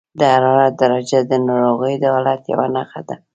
د حرارت درجه د ناروغۍ د حالت یوه نښه ده.